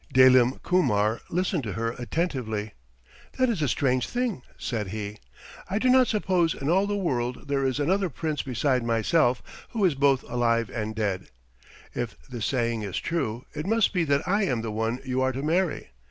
Dalim Kumar listened to her attentively. "That is a strange thing," said he. "I do not suppose in all the world there is another prince beside myself who is both alive and dead. If this saying is true, it must be that I am the one you are to marry.